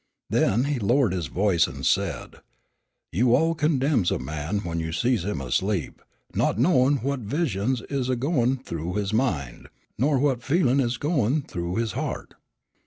Then he lowered his voice and said: "You all condemns a man when you sees him asleep, not knowin' what visions is a goin' thoo his mind, nor what feelin's is a goin thoo his heart.